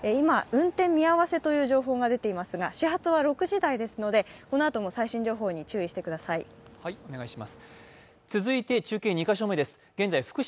今運転見合わせという情報が出ていますが始発は６時台ですので、この後も最新情報に注意してください。